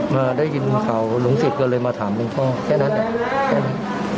มาได้ยินข่าวหลวงศิษย์ก็เลยมาถามหลวงพ่อแค่นั้นแค่นั้น